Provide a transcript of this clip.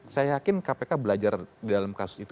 saya yakin kpk belajar dalam kasus itu